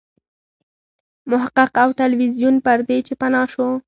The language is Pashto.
محقق له ټلویزیون پردې چې پناه شو.